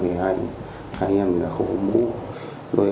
hai em là khổ mũ hai em cũng có tím em